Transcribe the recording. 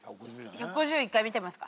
１５０１回見てみますか。